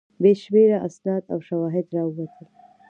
بې شمېره اسناد او شواهد راووتل.